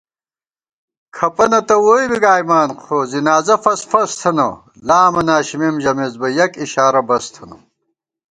کھپَنہ تہ ووئی بی گائیمان خو زِنازہ فَسفس تھنہ * لامہ ناشِمېم ژَمېس بہ یَک اِشارہ بس تھنہ